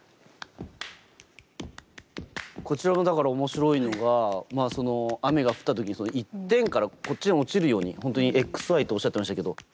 こちらのだから面白いのが雨が降った時に一点からこっちに落ちるように本当にＸＹっておっしゃってましたけど。